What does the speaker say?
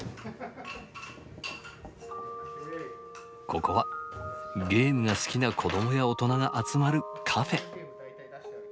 ここはゲームが好きな子どもや大人が集まるカフェ。